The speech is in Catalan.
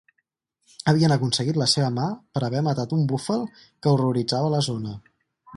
Havien aconseguit la seva mà per haver matat un búfal que horroritzava la zona.